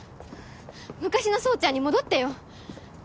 昔の宗ちゃんに戻ってよ